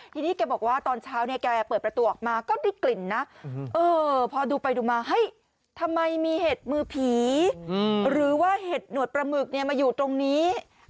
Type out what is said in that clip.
ทีนี้แกบอกว่าตอนเช้าเนี่ยแกเปิดประตูออกมาก็ได้กลิ่นนะพอดูไปดูมาเฮ้ยทำไมมีเห็ดมือผีหรือว่าเห็ดหนวดปลาหมึกมาอยู่ตรงนี้